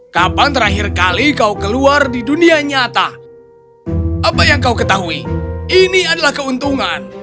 kapan terakhir kali kau keluar di dunia nyata apa yang kau ketahui ini adalah keuntungan